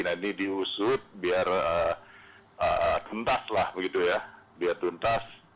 nah ini diusut biar tuntas lah begitu ya biar tuntas